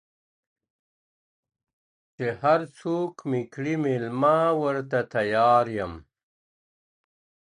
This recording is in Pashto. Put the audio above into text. چي هر څوک مي کړي مېلمه ورته تیار یم.